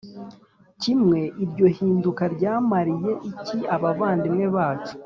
kimwe Iryo hinduka ryamariye iki abavandimwe bacu